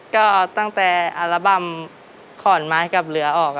ก็ตั้งแต่อัลบั้มขอนไม้กับเรือออก